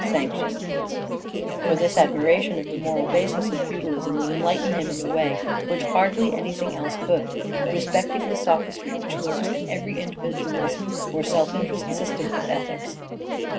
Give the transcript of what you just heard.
DRAMATIC SELF REVELATION 473 For this admiration of the moral basis of feudalism would enlighten him in a way which hardly anything else could, respecting the sophistry which lurks in every individualist or self interest system of ethics.